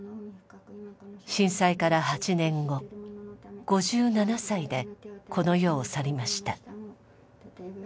震災から８年後５７歳でこの世を去りました。